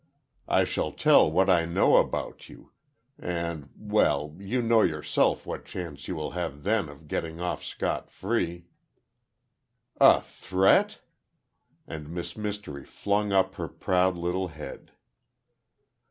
"I shall tell what I know about you—and, well, you know yourself what chance you will have then of getting off scotfree!" "A threat?" and Miss Mystery flung up her proud little head.